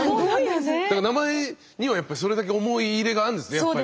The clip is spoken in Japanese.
だから名前にはそれだけ思い入れがあるんですねやっぱり。